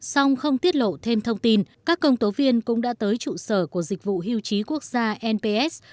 song không tiết lộ thêm thông tin các công tố viên cũng đã tới trụ sở của dịch vụ hưu trí quốc gia nps